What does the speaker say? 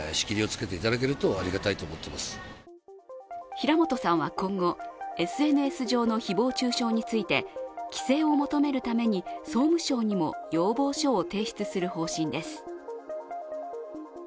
平本さんは今後、ＳＮＳ上の誹謗中傷について規制を求めるために総務省にも要望書を提出する方針です。